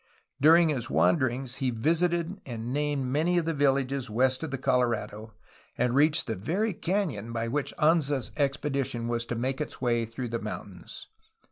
During his wanderings he visited and named many of the villages west of the Colorado, and reached the very canyon by which Anza's expedition was to make its way through the mountains.